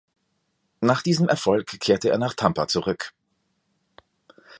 Nach diesem Erfolg kehrte er nach Tampa zurück.